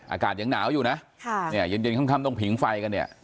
อากาศยังหนาวอยู่นะเนี่ยเย็นค่ำต้องผิงไฟกันเนี่ย